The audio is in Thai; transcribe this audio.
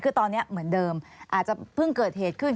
คือตอนนี้เหมือนเดิมอาจจะเพิ่งเกิดเหตุขึ้น